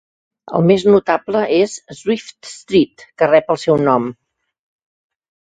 El més notable és Swift's Street, que rep el seu nom.